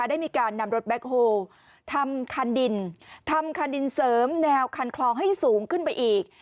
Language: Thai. ได้มีการนำรถแบ็คโฮลทำคันดินทำคันดินเสริมแนวคันคลองให้สูงขึ้นไปอีก